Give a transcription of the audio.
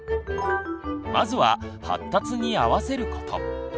まずは「発達に合わせること」。